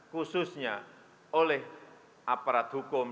khususnya oleh aparat hukum